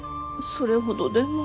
それほどでも。